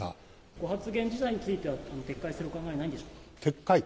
ご発言自体については、撤回するお考えはないんでしょうか？